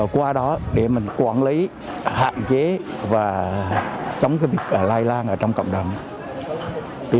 qua đó để mình quản lý hạn chế và chống cái việc lây lan ở trong cộng đồng